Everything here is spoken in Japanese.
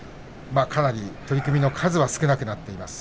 かなり取組の数は少なくなっています。